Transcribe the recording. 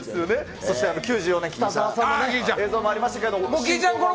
そして９４年、北澤さんの映像もありましたけど。